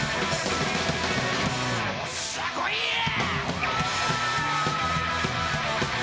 よっしゃ、来いや！